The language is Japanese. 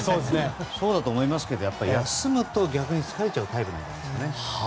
そうだと思いますけど逆に休むと疲れちゃうタイプなんじゃないですかね。